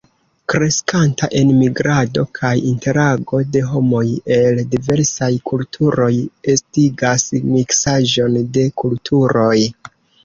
Kreskanta enmigrado kaj interago de homoj el diversaj kulturoj estigas miksaĵon de kulturoj.